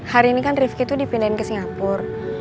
hari ini kan rifki tuh dipindahin ke singapur